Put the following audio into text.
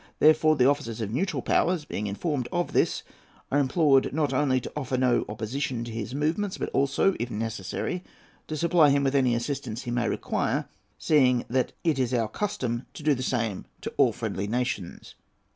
Therefore the officers of neutral powers, being informed of this, are implored, not only to offer no opposition to his movements, but also, if necessary, to supply him with any assistance he may require, seeing that it is our custom to do the same to all friendly nations."